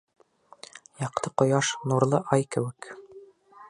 Яҡты ҡояш, нурлы ай кеүек.